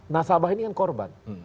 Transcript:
nasabah ini yang korban